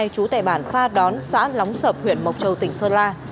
chú tài bản pha đón xã lóng sập huyện mộc châu tỉnh sơn la